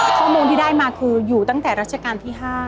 ข้อมูลที่ได้มาคืออยู่ตั้งแต่รัชกาลที่๕